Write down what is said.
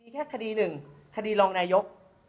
แค่คดีหนึ่งคดีรองนายก